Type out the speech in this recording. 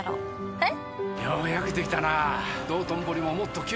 えっ？